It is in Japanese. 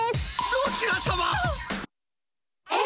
どちら様？